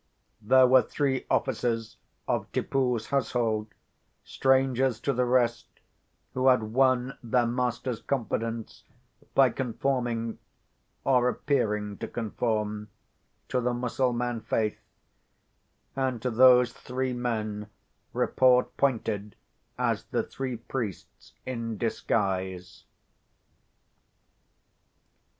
There were three officers of Tippoo's household, strangers to the rest, who had won their master's confidence by conforming, or appearing to conform, to the Mussulman faith; and to those three men report pointed as the three priests in disguise.